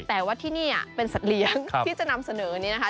แต่ว่าที่นี่เป็นสัตว์เลี้ยงที่จะนำเสนอนี้นะคะ